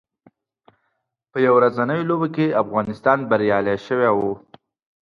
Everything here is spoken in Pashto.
په یو ورځنیو لوبو کې افغانستان بریالی شوی و